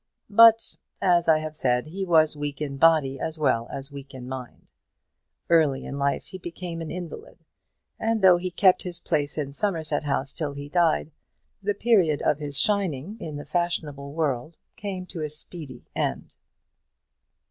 But, as I have said, he was weak in body as well as weak in mind. Early in life he became an invalid; and though he kept his place in Somerset House till he died, the period of his shining in the fashionable world came to a speedy end.